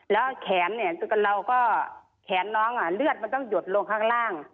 แล้วแขนเนี่ยเราก็แขนน้องเลือดมันต้องหยดลงข้างล่าง